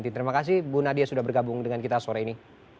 terima kasih bu nadia sudah bergabung dengan kita sore ini